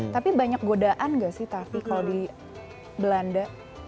tapi banyak godaan nggak sih tavi kalau di belanda